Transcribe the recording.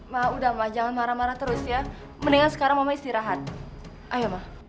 mah udah ma jangan marah marah terus ya mendingan sekarang mama istirahat ayo